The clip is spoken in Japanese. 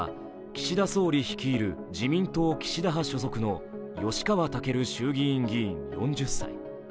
岸田総理率いる自民党岸田派所属の吉川赳衆院議員、４０歳。